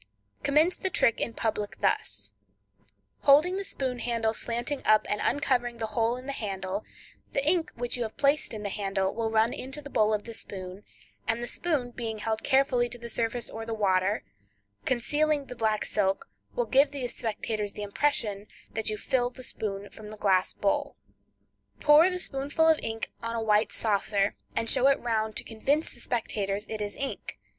Commence the trick in public thus: Holding the spoon handle slanting up and uncovering the hole in the handle, the ink which you have placed in the handle will run into the bowl of the spoon, and the spoon being held carefully to the surface or the water, concealing the black silk, will give the spectators the impression that you fill the spoon from the glass bowl. Pour the spoonful of ink on a white saucer, and show it round to convince the spectators it is ink.